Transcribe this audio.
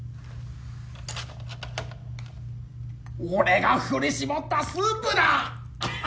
俺が振り絞ったスープだ！